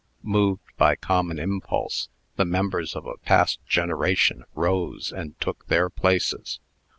Moved by common impulse, the members of a past generation rose, and took their places.